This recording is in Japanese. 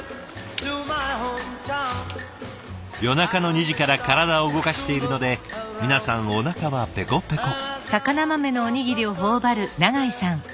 夜中の２時から体を動かしているので皆さんおなかはぺこぺこ。